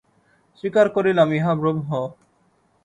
স্বীকার করিলাম, ইহা ব্রহ্ম।